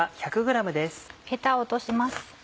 ヘタを落とします。